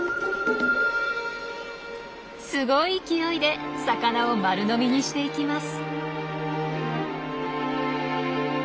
すごい勢いで魚を丸飲みにしていきます。